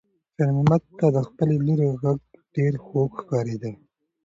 خیر محمد ته د خپلې لور غږ ډېر خوږ ښکارېده.